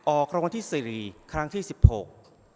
ออกรางวัลที่สี่ครั้งที่สิบหก